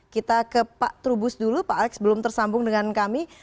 kita ke pak trubus dulu pak alex belum tersambung dengan kami